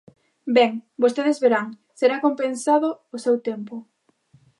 Ben, vostedes verán, será compensado o seu tempo.